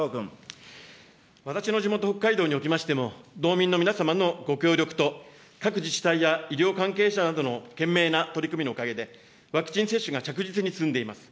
私の地元、北海道におきましても、道民の皆様のご協力と、各自治体や医療関係者などの懸命な取り組みのおかげで、ワクチン接種が着実に進んでいます。